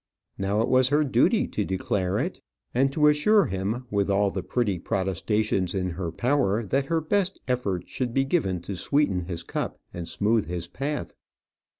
Now it was her duty to declare it, and to assure him, with all the pretty protestations in her power, that her best efforts should be given to sweeten his cup, and smooth his path.